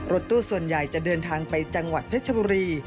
รถตู้ส่วนใหญ่จะเดินทางไปจังหวัดเพชรบุรี